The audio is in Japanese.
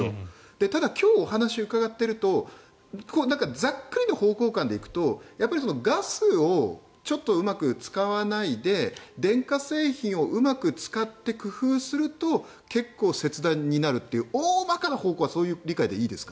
ただ、今日お話を伺っているとざっくりな方向感で行くとガスをちょっとうまく使わないで電化製品をうまく使って工夫すると結構、節電になるという大まかな方向はそういう理解でいいですか？